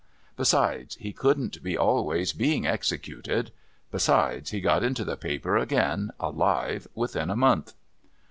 Besides, he couldn't be always being executed. Besides, he got into the paper again, alive, within a month.